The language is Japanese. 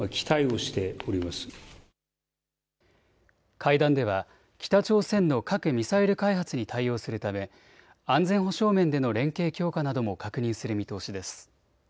会談では北朝鮮の核・ミサイル開発に対応するため安全保障面での連携強化なども確認する見通しです。